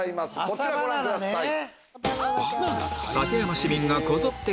こちらご覧ください。